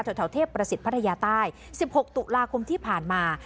ที่ห่อเทพภรษฐภรรยาใต้สิบหกตุลาคมที่ผ่านมา